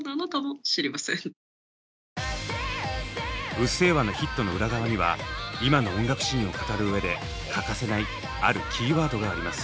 「うっせぇわ」のヒットの裏側には今の音楽シーンを語るうえで欠かせないあるキーワードがあります。